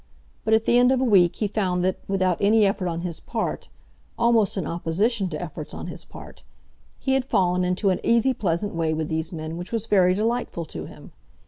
But at the end of a week he found that, without any effort on his part, almost in opposition to efforts on his part, he had fallen into an easy pleasant way with these men which was very delightful to him.